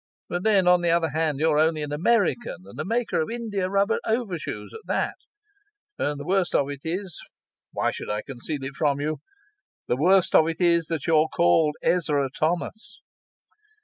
But then, on the other hand, you're only an American, and a maker of india rubber overshoes at that. And the worst of it is why should I conceal it from you? the worst of it is that you're called Ezra Thomas.